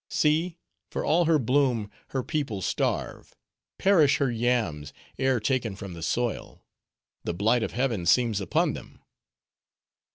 See! for all her bloom, her people starve; perish her yams, ere taken from the soil; the blight of heaven seems upon them."